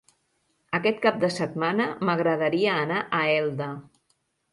Aquest cap de setmana m'agradaria anar a Elda.